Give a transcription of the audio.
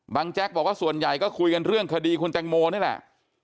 แจ๊กบอกว่าส่วนใหญ่ก็คุยกันเรื่องคดีคุณแตงโมนี่แหละ